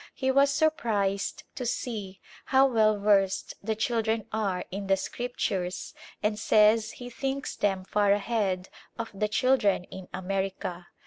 He was surprised to see how well versed the children are in the Scriptures and says he thinks them far ahead of the children in America.